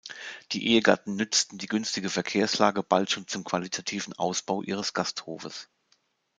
Die Ehegatten nützten die günstige Verkehrslage bald schon zum qualitativen Ausbau ihres Gasthofes.